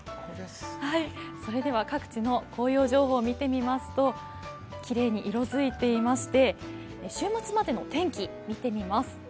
それでは各地の紅葉情報を見てみますときれいに色づいていまして、週末までの天気、見てみます。